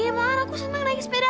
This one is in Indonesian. gimana aku senang naik sepeda